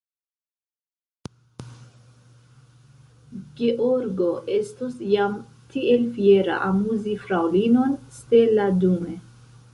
Georgo estos jam tiel fiera amuzi fraŭlinon Stella dume.